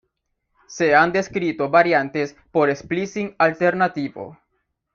Se han descrito variantes por splicing alternativo.